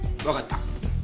わかった。